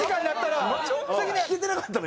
聞けてなかったの？